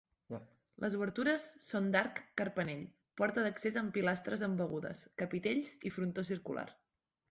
Les obertures són d'arc carpanell, porta d'accés amb pilastres embegudes, capitells i frontó circular.